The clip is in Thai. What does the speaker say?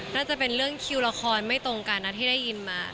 น่าจะเป็นเรื่องคิวละครไม่ตรงกันนะที่ได้ยินมา